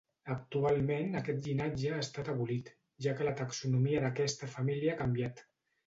Actualment aquest llinatge ha estat abolit, ja que la taxonomia d'aquesta família ha canviat.